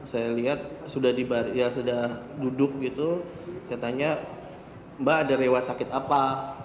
saya lihat sudah di baris ya sudah duduk gitu saya tanya mbah ada rewet sakit apa